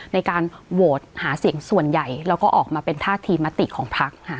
ในการโหวตหาเสียงส่วนใหญ่แล้วก็ออกมาเป็นท่าทีมติของพักค่ะ